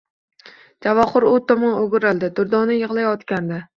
Javohir u tomon o`girildi, Durdorna yig`layotgandi